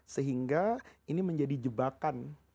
sehingga ini menjadi jebakan